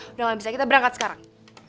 udah gak bisa kita berangkat sekarang